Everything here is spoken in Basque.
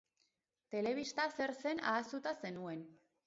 Telebista zer zen ahaztuta zenuen.